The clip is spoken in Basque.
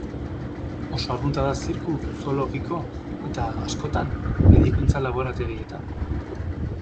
Oso arrunta da zirku, zoologiko eta, askotan, medikuntza laborategietan.